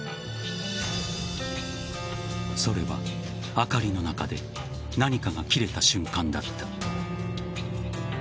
それは、あかりの中で何かが切れた瞬間だった。